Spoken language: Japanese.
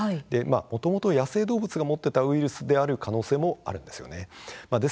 もともと野生動物が持っていたウイルスである可能性もあるんです。